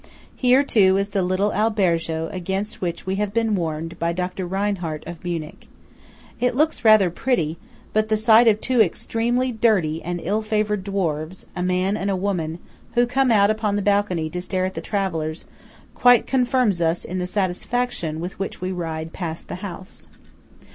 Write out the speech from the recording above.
Here, too, is the little albergo against which we have been warned by Dr. Reinhart of Munich. It looks rather pretty; but the sight of two extremely dirty and ill favoured dwarfs,–a man and woman–who come out upon the balcony to stare at the travellers, quite confirms us in the satisfaction with which we ride past the house.